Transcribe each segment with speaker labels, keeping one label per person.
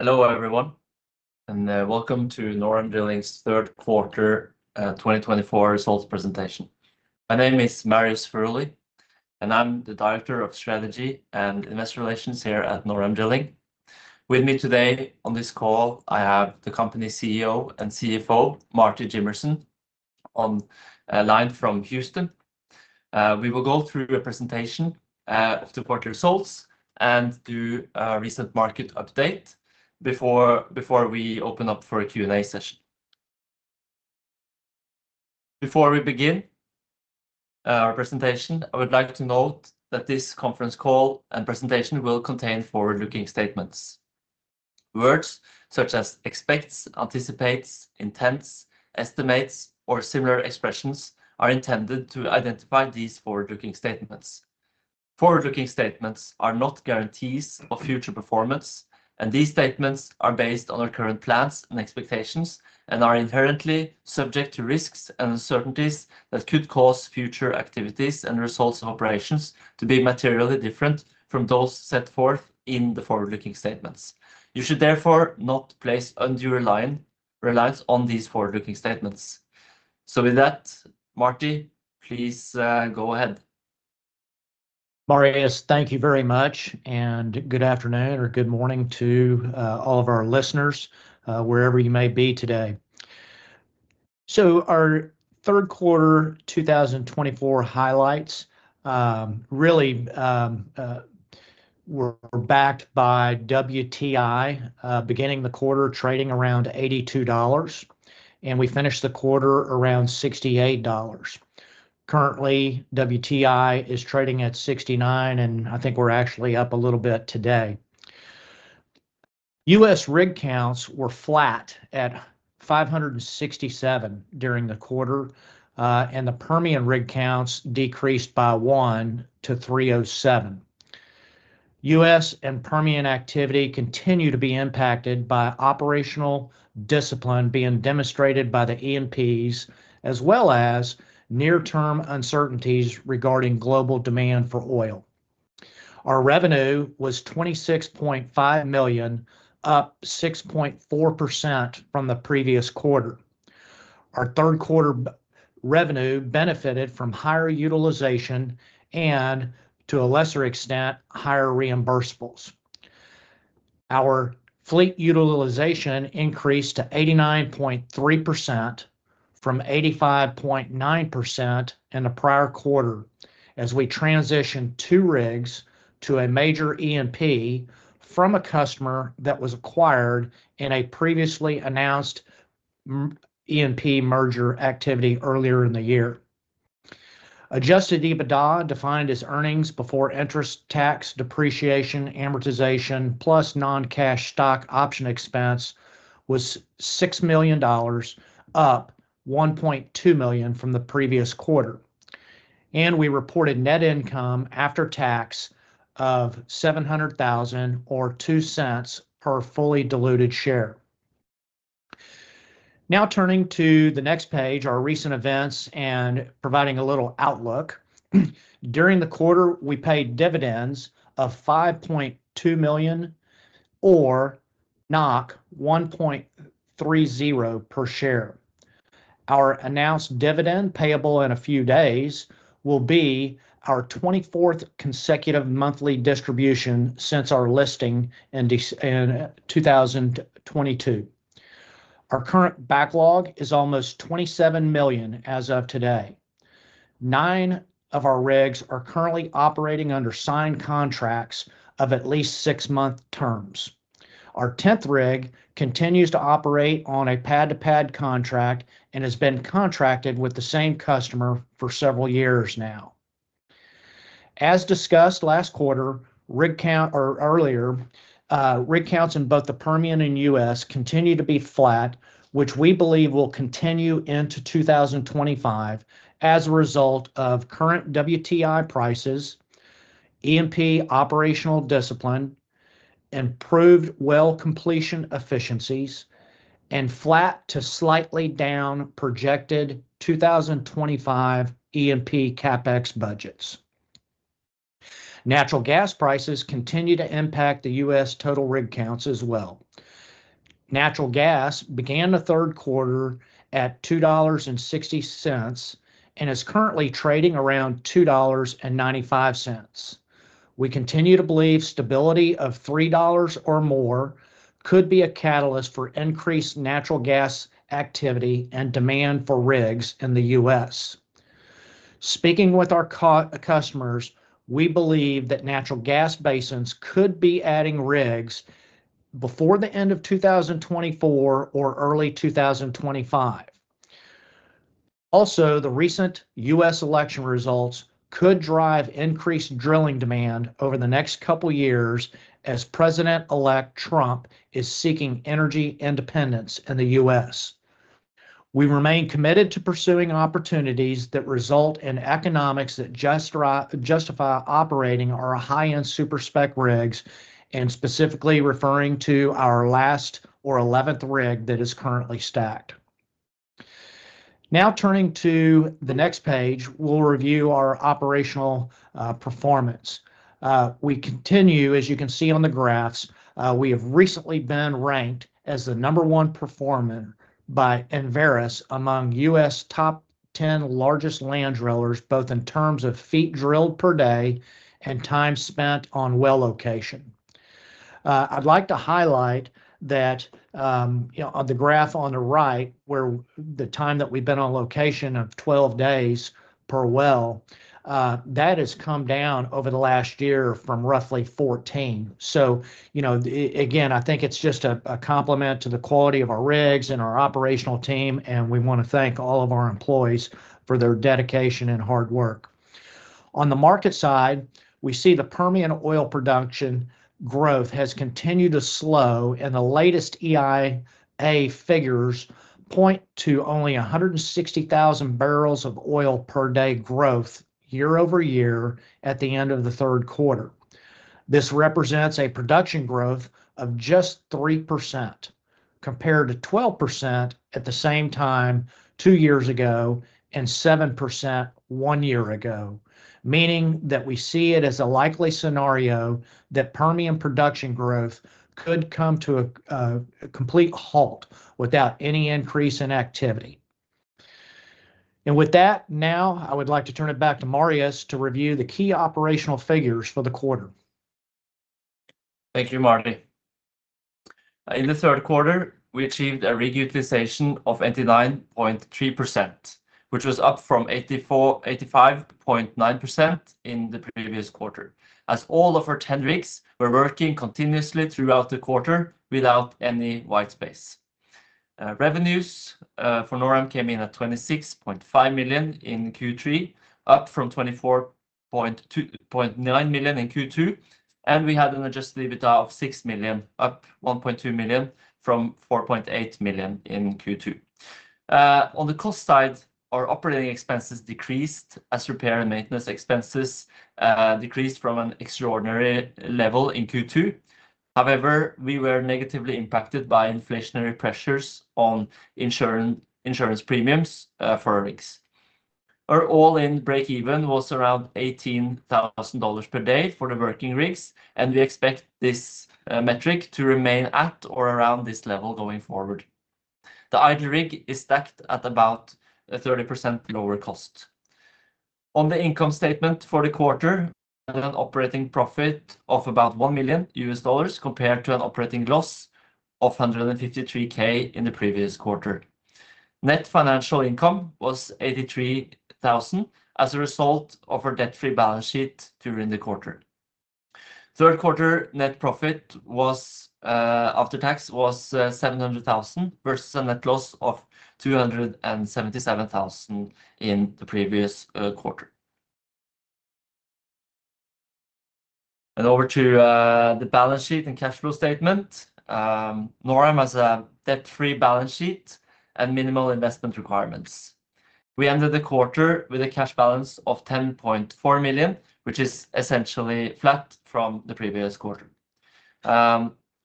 Speaker 1: Hello, everyone, and welcome to NorAm Drilling's third quarter 2024 results presentation. My name is Marius Furuly, and I'm the Director of Strategy and Investor Relations here at NorAm Drilling. With me today on this call, I have the company's CEO and CFO, Marty Jimmerson, on the line from Houston. We will go through a presentation of the quarter results and do a recent market update before we open up for a Q&A session. Before we begin our presentation, I would like to note that this conference call and presentation will contain forward-looking statements. Words such as expects, anticipates, intends, estimates, or similar expressions are intended to identify these forward-looking statements. Forward-looking statements are not guarantees of future performance, and these statements are based on our current plans and expectations and are inherently subject to risks and uncertainties that could cause future activities and results of operations to be materially different from those set forth in the forward-looking statements. You should therefore not place undue reliance on these forward-looking statements. So with that, Marty, please go ahead.
Speaker 2: Marius, thank you very much, and good afternoon or good morning to all of our listeners wherever you may be today. So our third quarter 2024 highlights really were backed by WTI beginning the quarter trading around $82, and we finished the quarter around $68. Currently, WTI is trading at $69, and I think we're actually up a little bit today. U.S. rig counts were flat at 567 during the quarter, and the Permian rig counts decreased by one to 307. U.S. and Permian activity continue to be impacted by operational discipline being demonstrated by the E&Ps, as well as near-term uncertainties regarding global demand for oil. Our revenue was $26.5 million, up 6.4% from the previous quarter. Our third quarter revenue benefited from higher utilization and, to a lesser extent, higher reimbursables. Our fleet utilization increased to 89.3% from 85.9% in the prior quarter as we transitioned two rigs to a major E&P from a customer that was acquired in a previously announced E&P merger activity earlier in the year. Adjusted EBITDA, defined as earnings before interest, tax, depreciation, amortization, plus non-cash stock option expense, was $6 million, up $1.2 million from the previous quarter. And we reported net income after tax of $700,000 or $0.02 per fully diluted share. Now turning to the next page, our recent events and providing a little outlook. During the quarter, we paid dividends of $5.2 million or 1.30 per share. Our announced dividend, payable in a few days, will be our 24th consecutive monthly distribution since our listing in 2022. Our current backlog is almost $27 million as of today. Nine of our rigs are currently operating under signed contracts of at least six-month terms. Our tenth rig continues to operate on a pad-to-pad contract and has been contracted with the same customer for several years now. As discussed last quarter, earlier, rig counts in both the Permian and U.S. continue to be flat, which we believe will continue into 2025 as a result of current WTI prices, E&P operational discipline, improved well completion efficiencies, and flat to slightly down projected 2025 E&P CapEx budgets. Natural gas prices continue to impact the U.S. total rig counts as well. Natural gas began the third quarter at $2.60 and is currently trading around $2.95. We continue to believe stability of $3 or more could be a catalyst for increased natural gas activity and demand for rigs in the U.S. Speaking with our customers, we believe that natural gas basins could be adding rigs before the end of 2024 or early 2025. Also, the recent U.S. election results could drive increased drilling demand over the next couple of years as President-elect Trump is seeking energy independence in the U.S. We remain committed to pursuing opportunities that result in economics that justify operating our high-end super spec rigs and specifically referring to our last or 11th rig that is currently stacked. Now turning to the next page, we'll review our operational performance. We continue, as you can see on the graphs, we have recently been ranked as the number one performer by Enverus among U.S. top 10 largest land drillers, both in terms of feet drilled per day and time spent on well location. I'd like to highlight that on the graph on the right, where the time that we've been on location of 12 days per well, that has come down over the last year from roughly 14. So again, I think it's just a complement to the quality of our rigs and our operational team, and we want to thank all of our employees for their dedication and hard work. On the market side, we see the Permian oil production growth has continued to slow, and the latest EIA figures point to only 160,000 barrels of oil per day growth year over year at the end of the third quarter. This represents a production growth of just 3% compared to 12% at the same time two years ago and 7% one year ago, meaning that we see it as a likely scenario that Permian production growth could come to a complete halt without any increase in activity. And with that, now I would like to turn it back to Marius to review the key operational figures for the quarter.
Speaker 1: Thank you, Marty. In the third quarter, we achieved a utilization of 89.3%, which was up from 85.9% in the previous quarter, as all of our 10 rigs were working continuously throughout the quarter without any white space. Revenues for NorAm came in at $26.5 million in Q3, up from $24.9 million in Q2, and we had an Adjusted EBITDA of $6 million, up $1.2 million from $4.8 million in Q2. On the cost side, our operating expenses decreased as repair and maintenance expenses decreased from an extraordinary level in Q2. However, we were negatively impacted by inflationary pressures on insurance premiums for rigs. Our all-in break-even was around $18,000 per day for the working rigs, and we expect this metric to remain at or around this level going forward. The idle rig is stacked at about a 30% lower cost. On the income statement for the quarter, an operating profit of about $1 million compared to an operating loss of $153,000 in the previous quarter. Net financial income was $83,000 as a result of our debt-free balance sheet during the quarter. Third quarter net profit after tax was $700,000 versus a net loss of $277,000 in the previous quarter, and over to the balance sheet and cash flow statement. NorAm has a debt-free balance sheet and minimal investment requirements. We ended the quarter with a cash balance of $10.4 million, which is essentially flat from the previous quarter.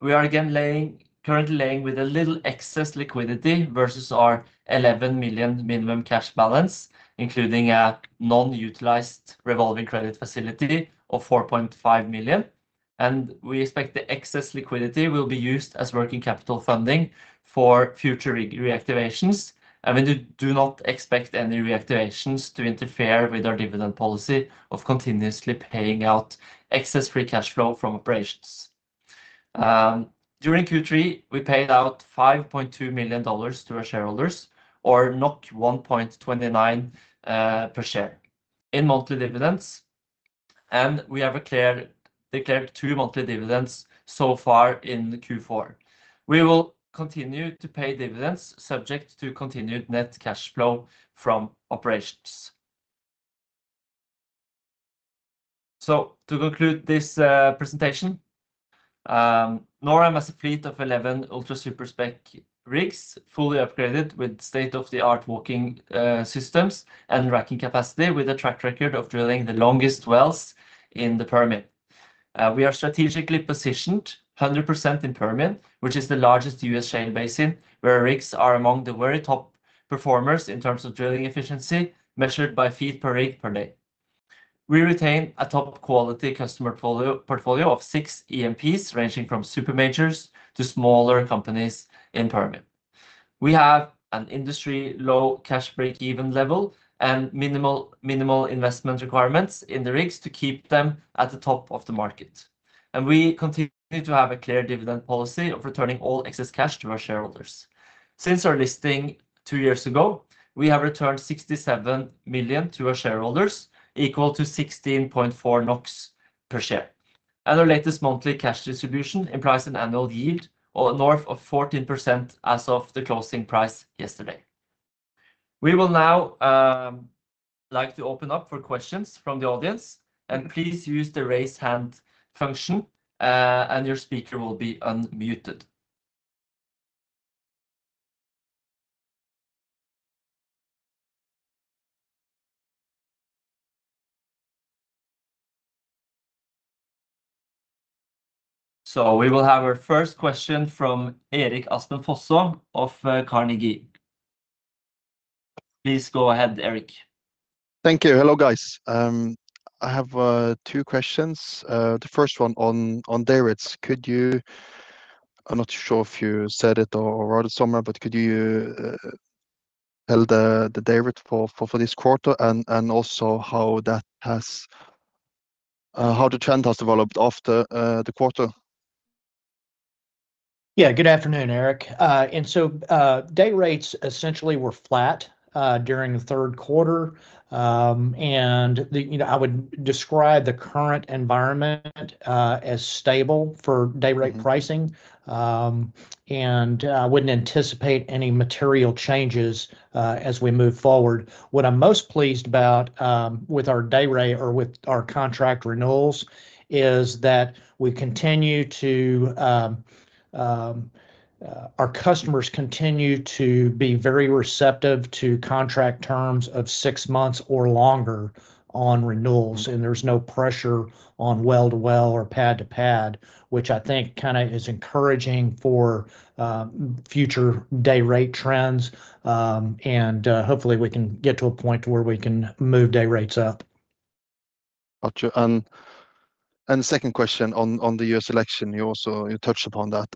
Speaker 1: We are again currently sitting with a little excess liquidity versus our $11 million minimum cash balance, including a non-utilized revolving credit facility of $4.5 million, and we expect the excess liquidity will be used as working capital funding for future reactivations. And we do not expect any reactivations to interfere with our dividend policy of continuously paying out excess free cash flow from operations. During Q3, we paid out $5.2 million to our shareholders, or 1.29 per share, in monthly dividends. And we have declared two monthly dividends so far in Q4. We will continue to pay dividends, subject to continued net cash flow from operations. So to conclude this presentation, NorAm has a fleet of 11 ultra super spec rigs, fully upgraded with state-of-the-art walking systems and racking capacity, with a track record of drilling the longest wells in the Permian. We are strategically positioned 100% in Permian, which is the largest U.S. shale basin, where rigs are among the very top performers in terms of drilling efficiency, measured by feet per rig per day. We retain a top-quality customer portfolio of six E&Ps, ranging from super majors to smaller companies in Permian. We have an industry-low cash break-even level and minimal investment requirements in the rigs to keep them at the top of the market. We continue to have a clear dividend policy of returning all excess cash to our shareholders. Since our listing two years ago, we have returned $67 million to our shareholders, equal to 16.4 NOK per share. Our latest monthly cash distribution implies an annual yield north of 14% as of the closing price yesterday. We will now like to open up for questions from the audience, and please use the raise hand function, and your speaker will be unmuted. We will have our first question from Erik Aspen Fosså of Carnegie. Please go ahead, Erik.
Speaker 3: Thank you. Hello, guys. I have two questions. The first one on dayrates. I'm not sure if you said it or wrote it somewhere, but could you tell the dayrate for this quarter and also how the trend has developed after the quarter?
Speaker 2: Yeah, good afternoon, Erik. And so dayrates essentially were flat during the third quarter. And I would describe the current environment as stable for dayrate pricing, and I wouldn't anticipate any material changes as we move forward. What I'm most pleased about with our dayrate or with our contract renewals is that our customers continue to be very receptive to contract terms of six months or longer on renewals, and there's no pressure on well-to-well or pad-to-pad, which I think kind of is encouraging for future dayrate trends. And hopefully, we can get to a point where we can move dayrates up.
Speaker 3: Gotcha, and the second question on the U.S. election, you also touched upon that.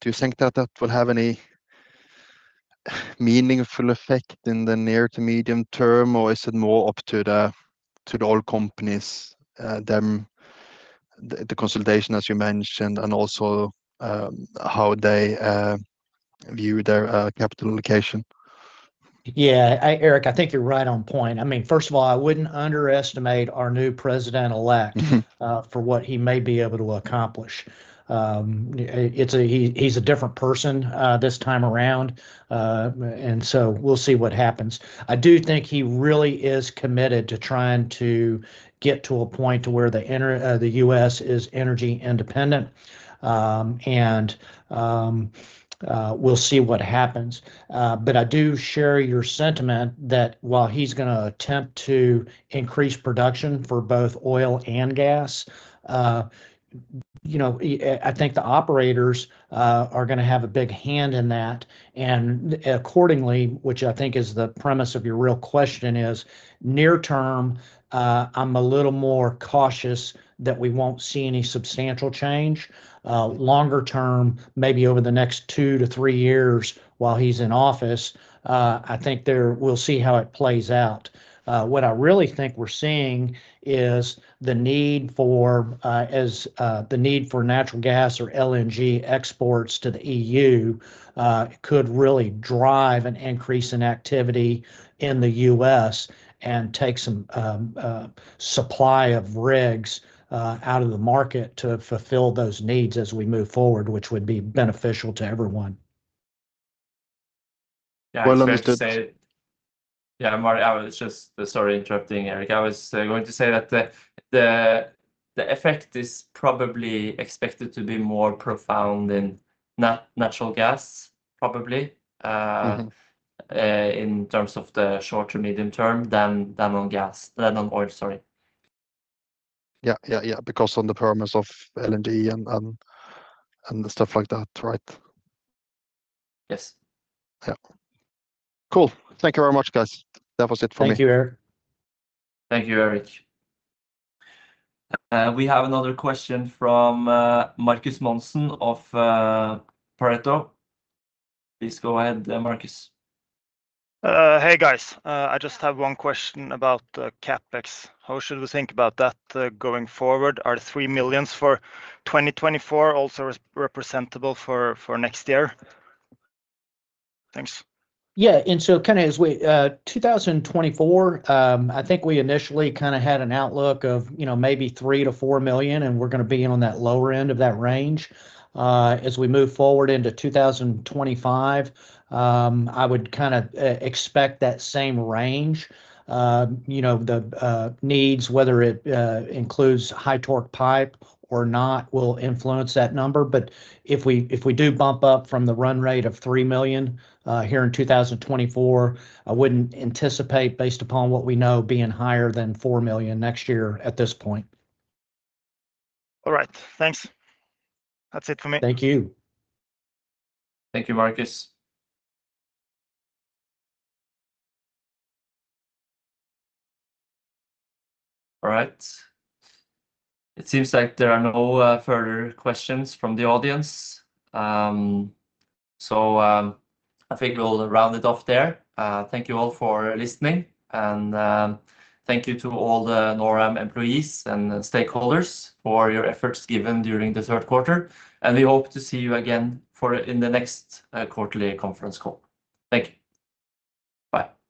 Speaker 3: Do you think that that will have any meaningful effect in the near to medium term, or is it more up to the oil companies, the consultation, as you mentioned, and also how they view their capital allocation?
Speaker 2: Yeah, Erik, I think you're right on point. I mean, first of all, I wouldn't underestimate our new president-elect for what he may be able to accomplish. He's a different person this time around, and so we'll see what happens. I do think he really is committed to trying to get to a point to where the U.S. is energy independent, and we'll see what happens. But I do share your sentiment that while he's going to attempt to increase production for both oil and gas, I think the operators are going to have a big hand in that. And accordingly, which I think is the premise of your real question, is near-term, I'm a little more cautious that we won't see any substantial change. Longer-term, maybe over the next two to three years while he's in office, I think we'll see how it plays out. What I really think we're seeing is the need for natural gas or LNG exports to the EU could really drive an increase in activity in the US and take some supply of rigs out of the market to fulfill those needs as we move forward, which would be beneficial to everyone.
Speaker 1: Yeah, I was just, sorry to interrupt you, Erik. I was going to say that the effect is probably expected to be more profound in natural gas, probably, in terms of the short to medium term than on oil, sorry.
Speaker 3: Yeah, yeah, yeah, because on the premise of LNG and stuff like that, right?
Speaker 1: Yes.
Speaker 3: Yeah. Cool. Thank you very much, guys. That was it for me.
Speaker 2: Thank you, Erik.
Speaker 1: Thank you, Erik. We have another question from Marcus Månsson of Pareto. Please go ahead, Marcus.
Speaker 4: Hey, guys. I just have one question about CapEx. How should we think about that going forward? Are the $3 million for 2024 also representative for next year? Thanks.
Speaker 2: Yeah, and so kind of as we, 2024, I think we initially kind of had an outlook of maybe $3 million-$4 million, and we're going to be on that lower end of that range. As we move forward into 2025, I would kind of expect that same range. The needs, whether it includes high-torque pipe or not, will influence that number. But if we do bump up from the run rate of $3 million here in 2024, I wouldn't anticipate, based upon what we know, being higher than $4 million next year at this point.
Speaker 4: All right. Thanks. That's it for me.
Speaker 2: Thank you.
Speaker 1: Thank you, Marcus. All right. It seems like there are no further questions from the audience. So I think we'll round it off there. Thank you all for listening, and thank you to all the NorAm employees and stakeholders for your efforts given during the third quarter. And we hope to see you again in the next quarterly conference call. Thank you. Bye.